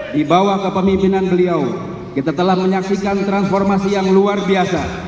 di bawah kepemimpinan beliau kita telah menyaksikan transformasi yang luar biasa